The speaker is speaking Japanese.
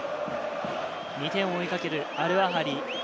２点を追いかけるアルアハリ。